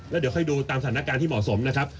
แล้วเดี๋ยวค่อยดูตามสถานการณ์ที่เหมาะสมนะครับ